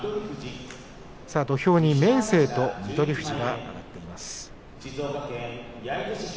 土俵には明生と翠富士が上がっています。